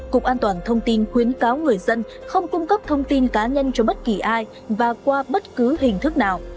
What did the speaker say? cục an toàn thông tin khuyến cáo người dân không cung cấp thông tin cá nhân cho bất kỳ ai và qua bất cứ hình thức nào